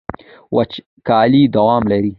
وچکالي دوام لري.